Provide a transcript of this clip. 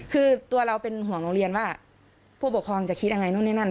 คือตัวเราเป็นห่วงโรงเรียนว่าผู้ปกครองจะคิดยังไงนู่นนี่นั่น